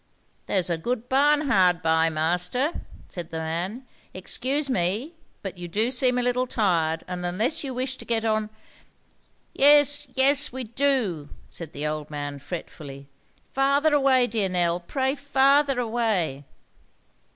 "There's a good barn hard by, master," said the man. "Excuse me, but you do seem a little tired, and unless you wish to get on—" "Yes, yes, we do," said the old man fretfully.—"Farther away, dear Nell; pray, farther away."